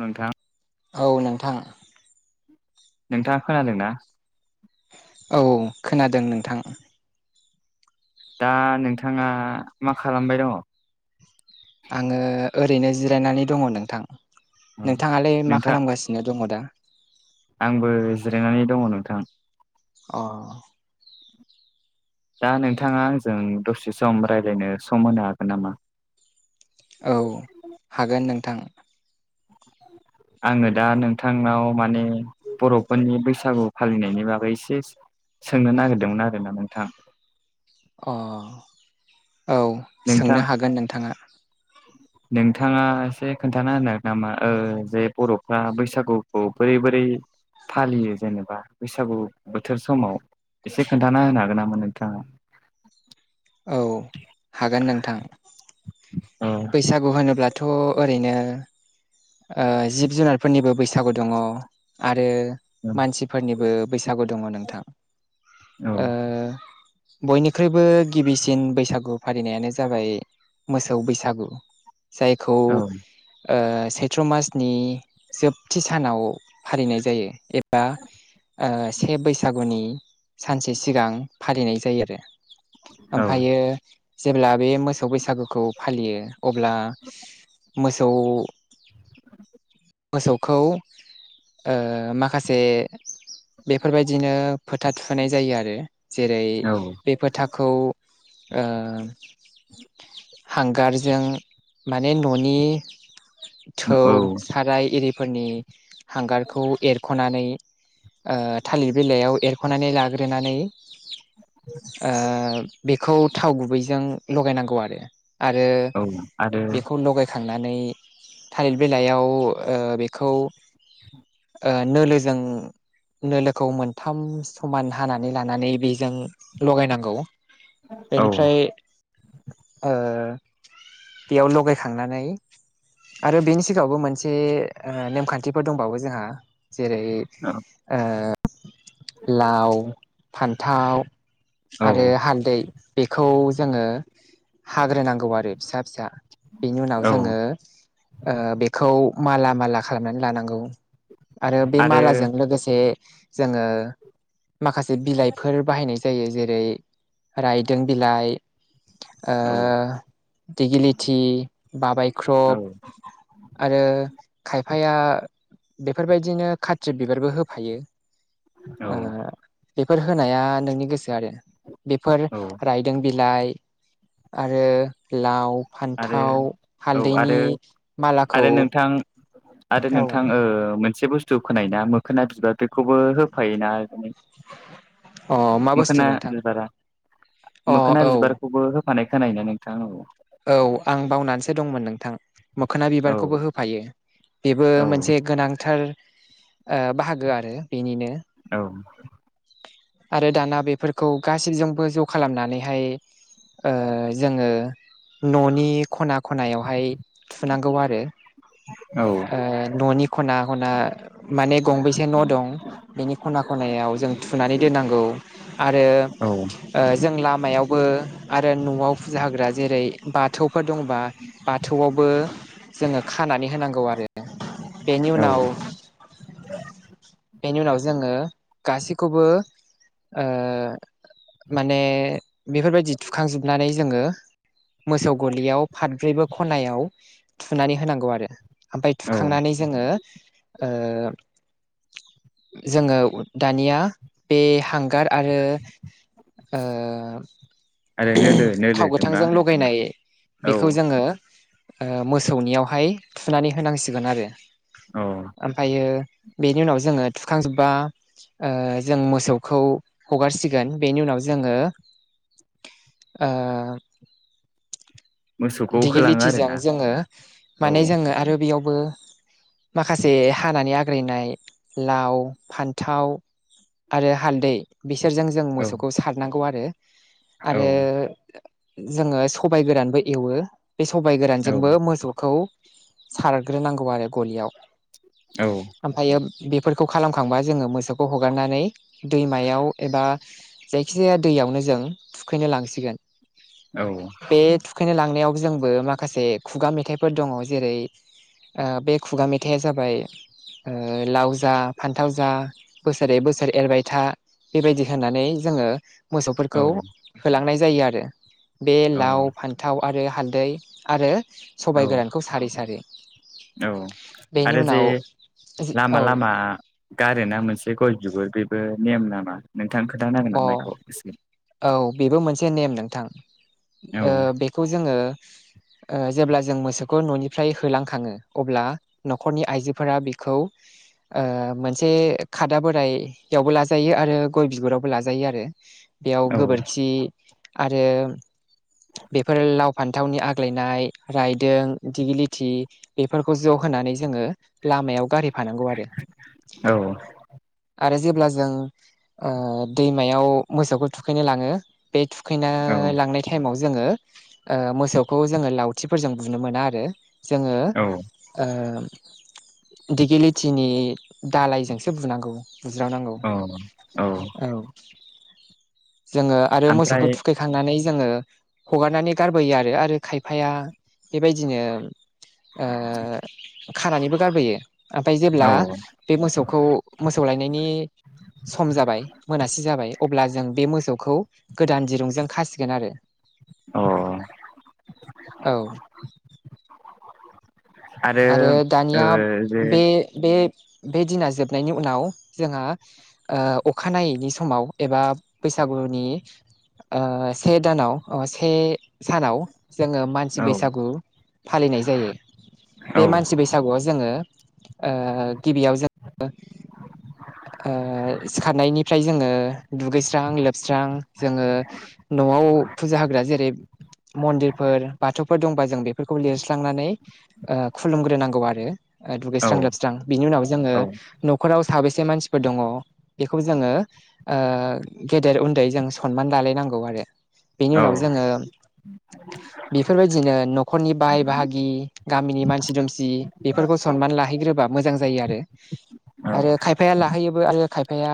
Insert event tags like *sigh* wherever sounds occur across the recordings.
नोंथां। औ नोंथां। नोंथाङा खोनादों ना। औ खोनादों नोंथां। दा नोंथाङा मा खालामबाय दङ। आङो ओरैनो जिरायनानै दङ नोंथां औ नोंथाङालाय मा नोंथां खालामगासिनो दङ दा। आंबो जिरायनानै दङ नोंथां। अ। दा नोंथाङा आंजों दसे सम रायज्लायनो सम होनो हागोन नामा? औ हागोन नोंथां। *unintelligible* आङो दा नोंथांनाव माने बर'फोरनि बैसागु फालिनायनि बागै एसे सोंनो नागिरदोंमोन आरोना नोंथां। अ औ नोंथां सोंनो हागोन नोंथाङा। *inaudible* नोंथाङा एसे खोन्थाना होनो नामा जे बर'फ्रा बैसागुखौ बोरै बोरै फालियो जेनेबा बैसागु बोथोर समाव एसे खोन्थाना होनो हागोन नामोन नोंथाङा औ हागोन नोंथां। बैसागु होनोब्लाथ' ओरैनो। जिब जुनारफोरनिबो बैसागु दङ आरो औ मानसिफोरनिबो बैसागु दङ नोंथां। औ बयनिख्रुइबो गिबिसिन बैसागु फालिनायानो जाबाय। मोसौ बैसागु जायखौ औ सैत्र मासनि जोबथि सानाव फालिनाय जायो। बा से बैसागुनि सानसे सिगां फालिनाय जायो आरो औ ओमफायो जेब्ला बे मोसौ बैसागुखौ फालियो। अब्ला मोसौ मोसौखौ माखासे बेफोरबायदिनो फोथा थुहोनाय जायो आरो जेरै बे फोथाखौ हांगारजों माने न'नि थौ औ साराय इरिफोरनि हांगारखौ एरख'नानै थालिर बिलाइयाव एरख'नानै लाग्रोनानै बेखौ थाव गुबैजों लगायनांगौ आरो आरो औ आरो बेखौ लगायखांनानै थालिर बिलाइयाव बेखौ नोलोजों नोलोखौ मोनथाम समान हानानै लानानै बेजों लगायनांगौ। औ बेनिफ्राय बेयाव लगायखांनानै आरो बेनि सिगाङावबो मोनसे नेमखान्थिफोर दंबावो जोंहा जेरै लाव फान्थाव औ आरो हालदै बेखौ जोङो हाग्रोनांगौ आरो फिसा फिसा बेनि उनाव जोङो ओ बेखौ माला माला खालामनानै लानांगौ आरो बे आरो मालाजों लोगोसे जोङो माखासे बिलाइफोर बाहायनाय जायो जेरै रायदों बिलाइ ओ औ दिगिलिथि औ बाबायख्रब आरो खायफाया बेफोरबायदिनो खाथ्रि बिबारबो होफायो ओ बेफोर होनाया नोंनि गोसो आरो बेफोर रायदों बिलाइ आरो लाव आरो फान्थाव औ हालदैनि आरो मालाखौ आरो नोंथां आरो औ नोंथां ओ मोन से बुस्थु खोनायायोना मोखोना बिबार बेखौबो होफायोना अ मा बुस्थु मोखोना नोंथां बिबारा अ मोखोना औ बिबारखौबो होफानाय खोनायो ना नोंथां औ आं बावनानैसो दंमोन नोंथां मोखोना औ बिबारखौबो होफायो बेबो मोनसे औ गोनांथार बाहागो आरो बेनिनो औ आरो दाना बेफोरखौ गासैजोंबो ज' खालामनानैहाय ओ जोङो न'नि खना खनायावहाय थुनांगौ आरो ओ औ न'नि खना खना माने गंबेसे न' दं बेनि खना खनायाव जों थुनानै दोननांगौ आरो औ ओ जों लामायावबो आरो न'वाव फुजा होग्रा जेरै बाथौफोर दंबा बाथौआवबो जोङो खानानै होनांगौ आरो बेनि औ उनाव *inaudible* बेनि उनाव जोङो गासैखौबो ओ माने बेफोरबायदि थुखांजोबनानै जोङो मोसौ गलियाव फाब्रैबो खनायाव थुनानै होनांगौ आरो ओमफ्राय औ थुखांनानै ओ जोङो दानिया बे हांगार आरो ओ आरो नोलो नोलो थाव जोंना गोथांजों लगायनाय औ बेखौ जों ङो ओ मोसौनियावहाय थुनानै होनांसिगोन आरो अ ओमफ्रायो बेनि उनाव जोङो थुखांजोब्बा ओ जों मोसौखौ हगारसिगोन बेनि उनाव जोङो ओ मोसौखौ होलाङो आरोना दिगिलितिजों जोङो माने औ जोङो आरो बेयावबो माखासे हानानै आग्रायनाय लाव फान्थाव आरो हालदै बिसोरजों जों औ मोसौखौ सारनांगौ आरो औ आरो जोङो सबाइ गोरानबो एवो बे सबाइ औ गोरानजोंबो मोसौखौ सारग्रोनांगौ आरो गलियाव औ ओमफ्रायो बेफोरखौ खालामखांबा जोङो मोसौखौ हगारनानै दैमायाव एबा जायखिजाया दैयावनो जों थुखैनो लांसिगोन औ बे थुखैनो लांनायाव जोंबो माखासे खुगा मेथाइफोर दङ जेरै ओ बे खुगा मेथाइआ जाबाय ओ लाव जा फान्थाव जा बोसोरै बोसोरै एरबाय था बेबायदि होनानै जोङो मोसौफोरखौ होलांनाय जायो आरो बे औ लाव फान्थाव आरो हालदै आरो औ सबाइ गोरानखौ सारै सारै औ बेनि आरो जे उनाव लामा औ लामा गारेना मोनसे गय बिगुर बेबो नेम नामा नोंथां खोनथाानो हांगोन ना अ माइखौ एसे औ बेबो मोनसे नेम नोंथां औ बेखौ जोङो जेब्ला जों मोसौखौ न'निफ्राय होलांखाङो अब्ला न'खरनि आइजोफोरा बेखौ मोनसे खादा बोराइयावबो लाजायो आरो गय बिगुरावबो लाजायो आरो बेयाव औ गोबोरखि आरो। बेफोर लाव फान्थावनि आग्लायनाय रायदों दिगि लथि बेफोरखौ ज' होनानै जोङो लामायाव गारिफानांगौ आरो। औ। आरो जेब्ला जों दैमायाव मोसौखौ थुखैनो लाङो। बे थुखैना औ लांनाय टाइमाव जोङो मोसौखौ जोङो लउथिफोरजों बुनो मोना आरो जोङो। औ दिेगेलिटिनि दालायजोंसो बुनांगौ। बुज्र नांगौ औ जोङो आरो ओमफ्राय मोसौखौ थुखैखांनानै जोङो हगारनानै गारबोयो आरो आरो खायफाया बेबायदिनो खानानैबो गारबोयो ओमफ्राय जेब्ला औ बे मोसौखौ मोसौ लायनायनि सम जाबाय मोनासि जाबाय अब्ला जों बे मोसौखौ गोदान दिरुंजों खासिगोन आरो औ औ। आरो ओ दानिया जे बे दिना जोबनायनि उनाव जोंहा अखानायैनि समाव एबा बैसागुनि से दानाव से सानाव जोङो मानसि औ बैसागु फालिनाय जायो औ बे मानसि बैसागुआव जोङो। गिबियाव जों सिखारनायनिफ्राय जोङो दुगैस्रां लोबस्रां जोङो न'आव फुजा होग्रा जेरै मन्दिरफोर बाथौफोर दंबा जों बेफोरखौ लिरस्लांनानै खुलुमग्रोनांगौ आरो औ दुगैस्रां लोबस्रां बिनि उनाव जोङो न'खराव साबेसे मानसिफोर दङ बेखौ जोङो। गेदेर उन्दै जों सनमान लालायनांगौ आरो बेनि औ उनाव जोङो बेफोरबायदिनो न'खरनि बाहाय बाहागि गामिनि मानसि दुमसि बेफोरखौ सनमान लाहैग्रोबा मोजां जायो आरो आरो औ खायफाया लाहैयोबो आरो खायफाया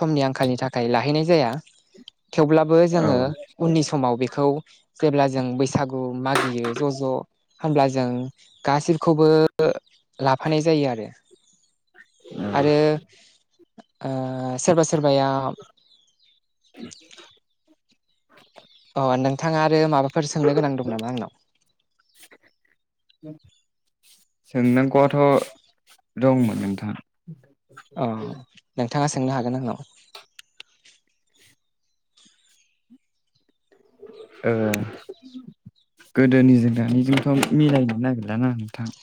समनि आंखालनि थाखाय लाहैनाय जाया थेवब्लाबो जोङो उननि समाव बेखौ जेब्ला जों बैसागु मागियो ज' ज' होनोमब्ला जों गाैखौबो लाफानाय जायो आरो। आरो सोरबा सोरबाया। *inaudible* अ नोंथाङा आरो माबाफोर सोंनो गोनां दं नामा आंनाव औ। सोंनांगौआथ' दंमोन नोंथाङां अ नोंथाङा सोंनो हागोन आंनो। ओ गोदोनिजों दानिजोंथ' मिलायनो नागिरला नामा नोंथां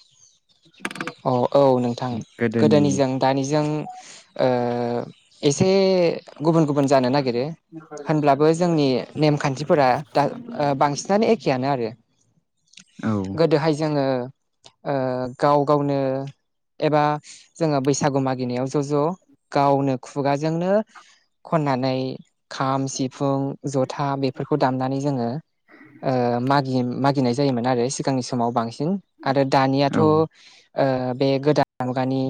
अ औ नोंथां गोदोनि गोदोनिजों दानिजों एसे गुबुन गुबुन जानो नागिरो होनब्लाबो जोंनि नेमखान्थिफोरा दा बांसिनानो एखेयानो आरो औ गोदोहाय जोङो गाव गावनो। एबा जोङो बैसागु मागिनायाव ज' ज' गावनो खुगाजोंनो खननानै खाम सिफुं जथा बेफोरखौ दामनानै जोङो ओ मागि मागिनाय जायोमोन आरो सिगांनि समाव बांसिन आरो दानियाथ' औ ओ बे गोदान मुगानि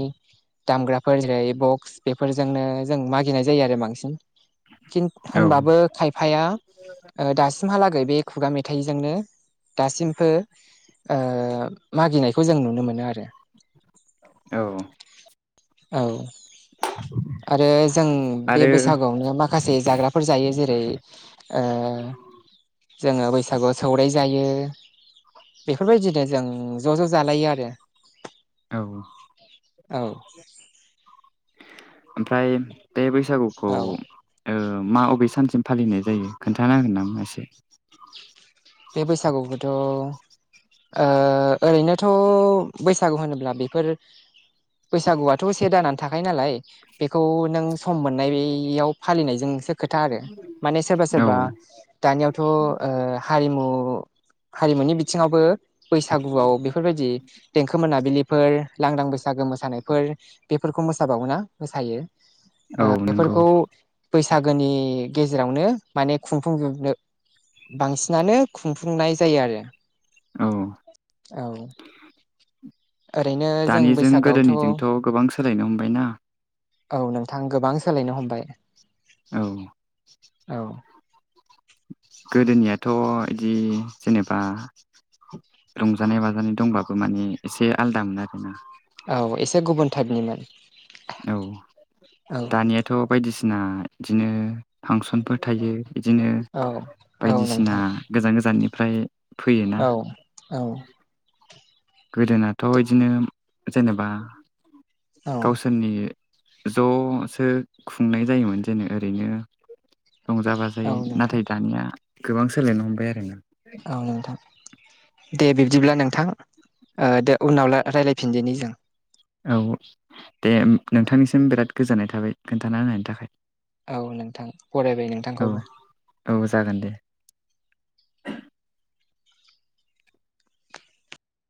दामग्राफोर जेरै बक्स बेफोरजोंनो जों मागिनाय जायो आरो बांसिन किन औ होनबाबो खायफाया ओ दासिमहालागै बे खुगा मेथाइजोंनो दासिमबो ओ मागिनायखौ जों नुनो मोनो आरो औ औ आरो जों बे आरो बैसागुआवनो माखा से जाग्राफोर जायो जेरै ओ जोङो बैसागुआव सौराइ जायो बेफोरबायदिनो जों ज' ज' जालायो आरो औ औ ओमफ्राय बे बैसागुखौ औ मा अबे सानसिम फालिनाय जायो खोन्थानो हागोन नामा एसे बे बैसागुखौथ' ओ ओरैनो थ' बैसागु होनोब्ला बेफोर बैसागुआथ' से दानानो थाखायो नालाय बेखौ नों सम मोननाय बेयाव फालिनायजोंसो खोथा आरो माने सोरबा औ सोरबा दानियावथ' ओ हारिमु हारिमुनि बिथिङावबो बैसागुआव बेफोरबायदि देंखो मोनाबिलि फोर लांदां बैसागो मोसानायफोर बेफोरखौ मोसाबावोना मोसायो औ ओ नंगौ बेफोरखौ बैसागोनि गेजेरावनो माने खुंफुंजोबनो बांसि नानो खुंफुंनाय जायो आरो औ औ ओरैनो जों दानिजों बैसागोआवथ' गोदोनिजोंथ' गोबां सोलायनो हमबायना औ नोंथां गोबां सोलायनो हमबाय औ औ गोदोनियाथ' बिदि जेनेबा रंजानाय बाजानाय दंबाबो माने एसे आलदामोन आरोना औ एसे गुबुन टाइपनिमोन औ औ दानियाथ' बायदिसिना बिदिनो फांसनफोर थायो बिदिनो औ औ बायदिसिना नोंथां गोजान गोजाननिफ्राय फैयोना औ औ गोदोनाथ' बिदिनो जेनेबा औ गावसोरनि ज'सो खुंनाय जायोमोन जेननो ओरैनो रंजा औ बाजायै नोंथां नाथाय दानिया गोबां सोलायनो हमबाय आरो ना औ नोंथां दे बिब्दिब्ला नोंथां ओ दे उनाव लाइ रायज्लायफिनदिनि जों औ दे नोंथांनिसिम बिराद गोजोननाय थाबाय खोन्थाना होनायनि थाखाय औ नोंथां फरायबाय औ नोंथांखौबो औ जागोन दे